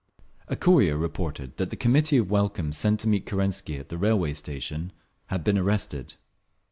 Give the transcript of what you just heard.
A courier reported that the Committee of Welcome sent to meet Kerensky at the railway station had been arrested.